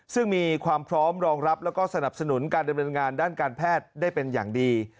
ซึ่งมีความพร้อมรองรับแล้วก็สนับสนุนการดำเนินงานด้านการแพทย์ได้เป็นอย่างดี